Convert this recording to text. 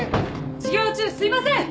授業中すいません！